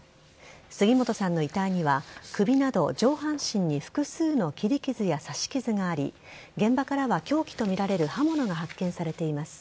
杉本さんの遺体には首など上半身に複数の切り傷や刺し傷があり現場からは凶器とみられる刃物が発見されています。